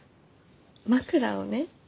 枕をね。